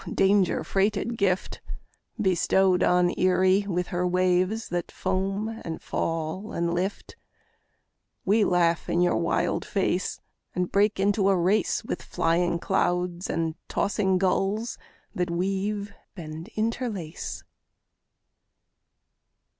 danger freighted gift Bestowed on Erie with her waves that foam and fall and lift, We laugh in your wild face, And break into a race With flying clouds and tossing gulls that weave and interlace.